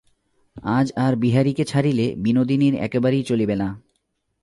আজ আর বিহারীকে ছাড়িলে বিনোদিনীর একেবারেই চলিবে না।